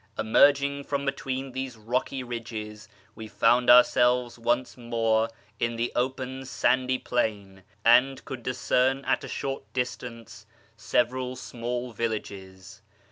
Emerging from between these rocky ridges, we found ourselves once more in the open sandy plain, and could discern at a short distance several small villages.